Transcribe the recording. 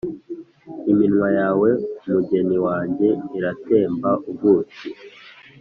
Iminwa yawe, mugeni wanjye, iratemba ubuki,